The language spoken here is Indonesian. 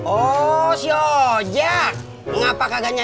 oh jak ya